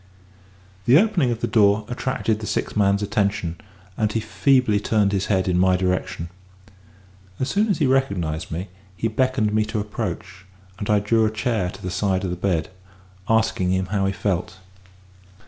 The opening of the door attracted the sick man's attention, and he feebly turned his head in my direction. As soon as he recognised me, he beckoned me to approach; and I drew a chair to the side of the bed, asking him how he felt.